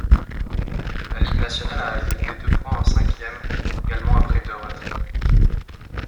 La ligue nationale a ajouté deux points en cinquième, également après deux retraits.